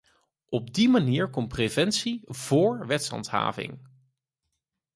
Op die manier komt preventie vóór wetshandhaving.